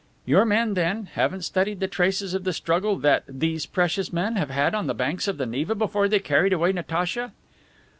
"Your men, then, haven't studied the traces of the struggle that 'these precious men' have had on the banks of the Neva before they carried away Natacha?"